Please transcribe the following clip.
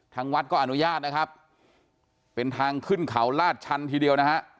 ทางวัดก็อนุญาตนะครับเป็นทางขึ้นเขาลาดชันทีเดียวนะฮะ